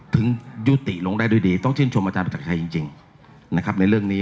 ถึงยุติลงได้ด้วยดีต้องชื่นชมอาจารย์ประจักรชัยจริงนะครับในเรื่องนี้